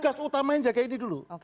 tugas utamanya jaga ini dulu